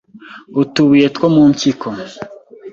utubuye two mu mpyiko